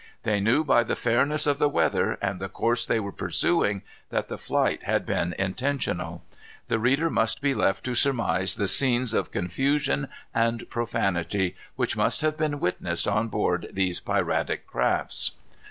They knew by the fairness of the weather, and the course they were pursuing, that the flight had been intentional. The reader must be left to surmise the scenes of confusion and profanity which must have been witnessed on board these piratic crafts.